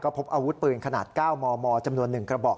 พบอาวุธปืนขนาด๙มมจำนวน๑กระบอก